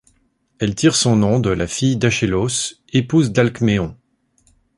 Elle tire son nom de la fille d'Achéloos, épouse d'Alcméon.